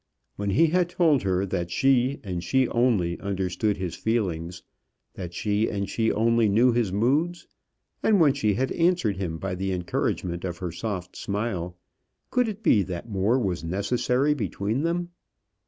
When he had told her that she, and she only, understood his feelings, that she, and she only, knew his moods, and when she had answered him by the encouragement of her soft smile, could it be that more was necessary between them?